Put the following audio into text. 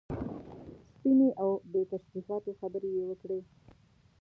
سپینې او بې تشریفاتو خبرې یې وکړې.